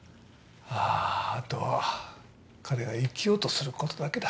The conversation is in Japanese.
あとは彼が生きようとすることだけだ